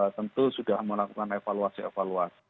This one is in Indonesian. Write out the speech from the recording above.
tentu sudah melakukan evaluasi evaluasi